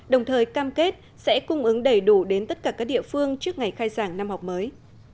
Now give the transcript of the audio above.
đồng thời cam kết sẽ cung ứng đầy đủ đến tất cả các địa phương trước ngày khai giảng năm học mới